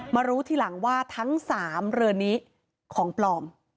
รู้ทีหลังว่าทั้ง๓เรือนี้ของปลอม